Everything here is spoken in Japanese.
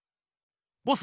ボス